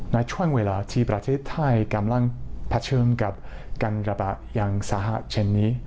ณช่วงเวลาที่ประเทศไทยกำลังเผชิญกับการระบาดอย่างสาหัสเช่นนี้